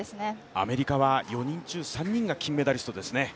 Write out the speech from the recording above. アメリカは４人中３人が金メダリストですね。